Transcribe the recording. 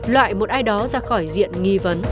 loại một ai đó ra khỏi diện nghi vấn